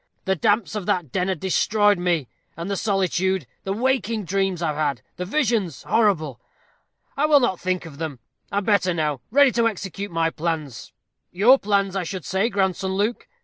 The damps of that den had destroyed me and the solitude the waking dreams I've had the visions! horrible! I will not think of them. I am better now ready to execute my plans your plans I should say, grandson Luke.